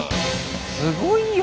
すごいよ！